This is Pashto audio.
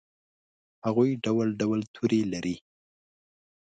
هغوي ډول ډول تورې لري